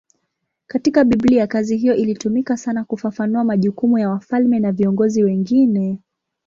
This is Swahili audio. Katika Biblia kazi hiyo ilitumika sana kufafanua majukumu ya wafalme na viongozi wengine.